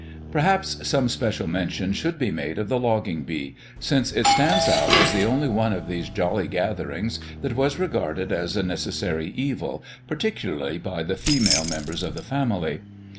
Perhaps some special mention should be made of the logging bee, since it stands out as the only one of these jolly gatherings that was regarded as a necessary evil, particularly by the female members of the family.